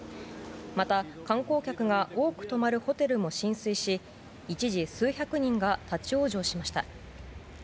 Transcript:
また、観光客が多く泊まるホテルも浸水し一時、数百人が立ち往生しました。